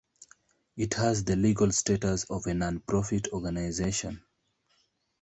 It has the legal status of a nonprofit organization.